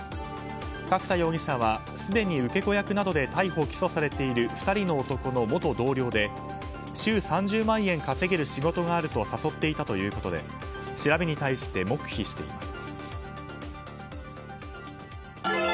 角田容疑者はすでに受け子役などで逮捕・起訴されている２人の男の元同僚で週３０万円稼げる仕事があると誘っていたということで調べに対して黙秘しています。